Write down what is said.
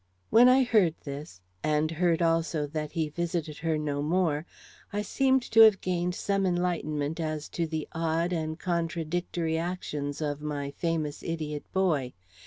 When I heard this, and heard also that he visited her no more, I seemed to have gained some enlightenment as to the odd and contradictory actions of my famous idiot boy.